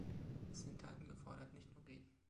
Es sind Taten gefordert, nicht nur Reden.